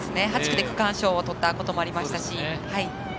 ８区で区間賞をとったこともありましたし。